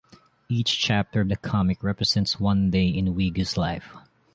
Each chapter of the comic represents one day in Wigu's life.